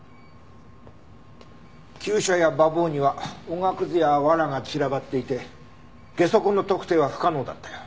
厩舎や馬房にはおがくずや藁が散らばっていてゲソ痕の特定は不可能だったよ。